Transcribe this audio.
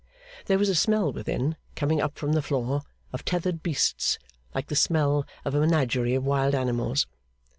There was a smell within, coming up from the floor, of tethered beasts, like the smell of a menagerie of wild animals.